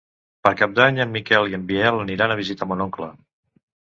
Per Cap d'Any en Miquel i en Biel aniran a visitar mon oncle.